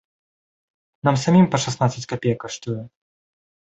Нам самім па шаснаццаць капеек каштуе!